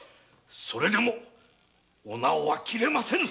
それでもお直は切れませぬ。